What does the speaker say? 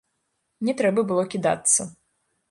Не трэба было кідацца.